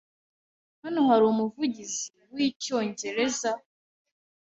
Hano hari umuvugizi wicyongereza?